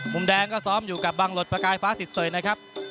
มุมแดงก็ซ้อมอยู่กับบังหลดประกายฟ้าสิทเสยนะครับ